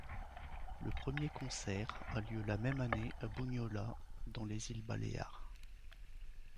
Le premier concert a lieu la même année à Bunyola, dans les îles Baléares.